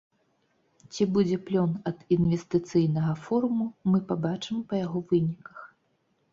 Ці будзе плён ад інвестыцыйнага форуму, мы пабачым па яго выніках.